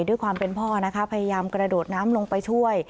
ด้วยความเป็นพ่อนะคะพยายามกระโดดน้ำลงไปช่วย